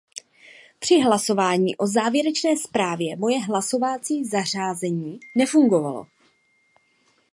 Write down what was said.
Při hlasování o závěrečné zprávě moje hlasovací zařázení nefungovalo.